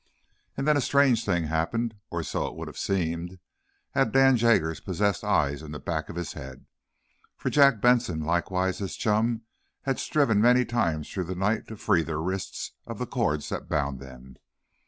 And then a strange thing happened, or so it would have seemed, had Dan Jaggers possessed eyes in the back of his head. For Jack Benson likewise his chum had striven many times through the night to free their wrists of the cords that bound them.